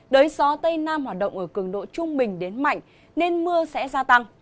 đới gió tây nam hoạt động ở cường độ trung bình đến mạnh nên mưa sẽ gia tăng